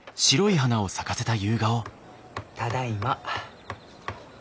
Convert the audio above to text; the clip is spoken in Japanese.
ただいま。